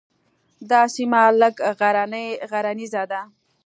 دا سیمه لږه غرنیزه ده.